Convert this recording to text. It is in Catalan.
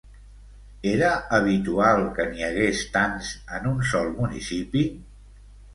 Era habitual que n'hi hagués tants en un sol municipi?